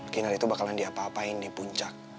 kinar itu bakalan diapa apain di puncak